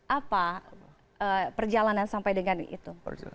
apa perjalanan sampai dengan itu